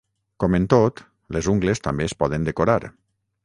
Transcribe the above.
Com en tot, les ungles també es poden decorar.